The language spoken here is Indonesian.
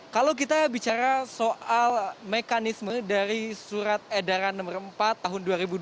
kalau kita bicara soal mekanisme dari surat edaran nomor empat tahun dua ribu dua puluh